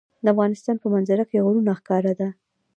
د افغانستان په منظره کې غرونه ښکاره ده.